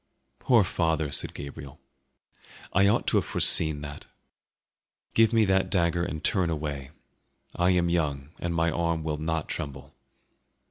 "Poor father!" said Gabriel. "I ought to have foreseen that. Give me that dagger and turn away; I am young and my arm will not tremble."